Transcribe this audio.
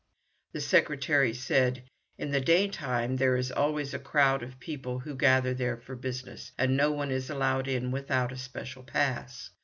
The secretary said, "In the daytime there is always a crowd of people who gather there for business, and no one is allowed in without a special pass.